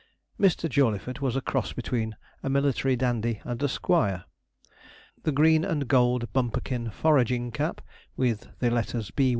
Mr. Jawleyford was a cross between a military dandy and a squire. The green and gold Bumperkin foraging cap, with the letters 'B.